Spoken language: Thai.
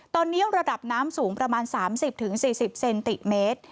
ตอนนี้ระดับน้ำสูงประมาณสามสิบถึงสี่สิบเซนติเมตร